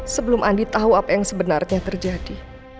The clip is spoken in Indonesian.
sebelum andi tahu apa yang sebenarnya terjadi